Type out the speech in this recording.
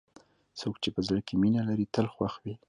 څوک چې په زړه کې مینه لري، تل خوښ وي.